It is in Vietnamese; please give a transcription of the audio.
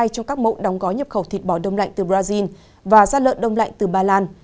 trong các mẫu đóng gói nhập khẩu thịt bò đông lạnh từ brazil và da lợn đông lạnh từ bà lan